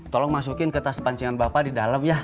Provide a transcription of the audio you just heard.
tolong masukin ke tas pancingan bapak di dalam ya